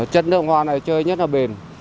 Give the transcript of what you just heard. chất nước hoa này chơi nhất là bền